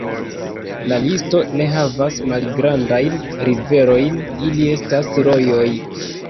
La listo ne havas malgrandajn riverojn, ili estas rojoj.